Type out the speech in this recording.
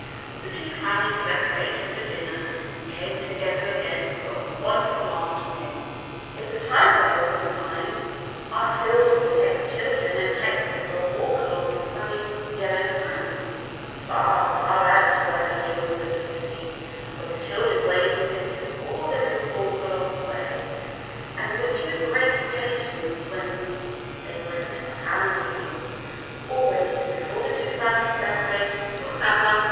The two families separated for dinner and came together again for a wonderful afternoon. If the tide were low sometimes Aunt Hilda would take the children and Hector for a walk along the shin ing yellow sands, far, far out to where they joined the blue sea, while the children waded into all the little pools along the way; and there were two great occa sions when they went clam digging. Always, before the two families separated for supper.